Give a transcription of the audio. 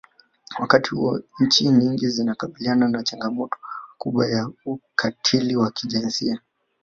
Wakati huo nchi nyingi zikikabiliana na changamoto kubwa ya ukatili wa kijinsia